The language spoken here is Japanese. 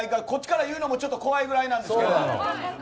こっちから言うのもちょっと怖いぐらいなんですけど。